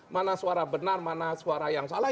mana suara benar mana suara yang salah